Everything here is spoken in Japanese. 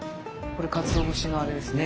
これかつおぶしのあれですね。